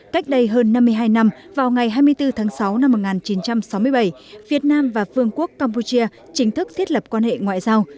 cách đây hơn năm mươi hai năm vào ngày hai mươi bốn tháng sáu năm một nghìn chín trăm sáu mươi bảy việt nam và vương quốc campuchia chính thức thiết lập quan hệ ngoại giao